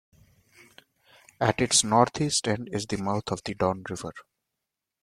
At its northeast end is the mouth of the Don River.